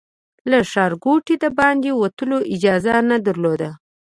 له ښارګوټي د باندې وتلو اجازه نه درلوده.